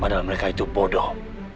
padahal mereka itu bodoh